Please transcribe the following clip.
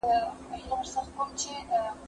زه پرون د لوبو لپاره وخت نيولی!